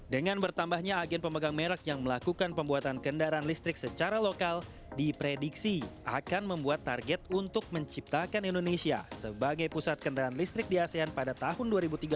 dengan bertambahnya agen pemegang merek yang melakukan pembuatan kendaraan listrik secara lokal diprediksi akan membuat target untuk menciptakan indonesia sebagai pusat kendaraan listrik di asean pada tahun dua ribu tiga puluh